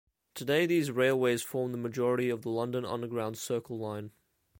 Today these railways form the majority of the London Underground's Circle line.